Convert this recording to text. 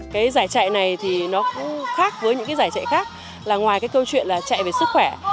cái giải chạy này thì nó cũng khác với những cái giải chạy khác là ngoài cái câu chuyện là chạy về sức khỏe